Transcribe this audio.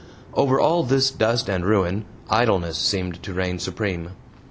Over all this dust and ruin, idleness seemed to reign supreme.